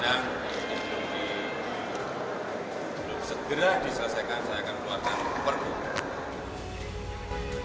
untuk segera diselesaikan saya akan keluarkan perbu